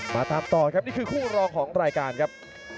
มาตามต่อครับนี่คือคู่รองของรายการครับ